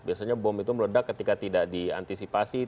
biasanya bom itu meledak ketika tidak diantisipasi